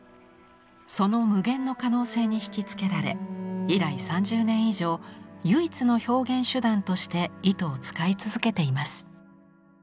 その無限の可能性にひきつけられ以来３０年以上唯一の表現手段として糸を使い続けています。